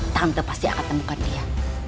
tante pasti akan temukan dia